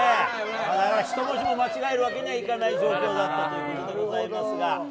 １文字も間違えるわけにはいかない状況だったということですが。